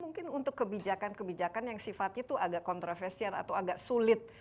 mungkin untuk kebijakan kebijakan yang sifatnya itu agak kontroversial atau agak sulit